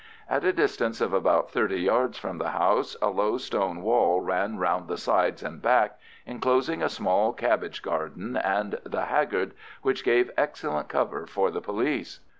At a distance of about thirty yards from the house a low stone wall ran round the sides and back, enclosing a small cabbage garden and the haggard, which gave excellent cover for the police.